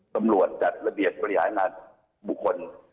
ตำรวจจัดระเบียบบริหารงานบุคคล